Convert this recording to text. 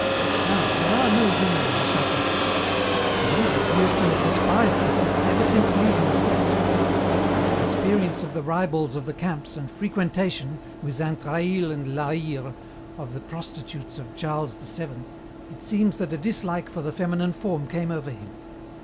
"Now, there are no women in the château. Gilles appears to have despised the sex ever since leaving the court. After experience of the ribalds of the camps and frequentation, with Xaintrailles and La Hire, of the prostitutes of Charles VII, it seems that a dislike for the feminine form came over him.